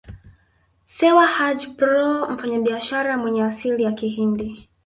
Sewa Haji Proo mfanyabiashara mwenye asili ya Kihindi